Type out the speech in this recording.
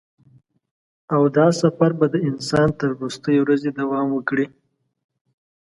او دا سفر به د انسان تر وروستۍ ورځې دوام وکړي.